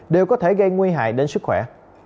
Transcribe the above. đều có thể gây nguy hại đến sức khỏe